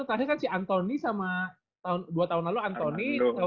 terakhir kan si anthony sama dua tahun lalu anthony